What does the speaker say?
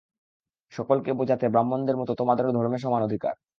সকলকে বোঝাগে ব্রাহ্মণদের মত তোমাদেরও ধর্মে সমান অধিকার।